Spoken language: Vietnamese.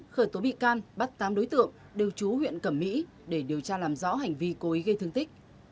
khởi tố bị can bắt tám đối tượng đều trú huyện cẩm mỹ để điều tra làm rõ hành vi cố ý gây thương tích